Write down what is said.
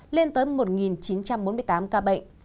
lên tới một chín trăm bốn mươi tám ca bệnh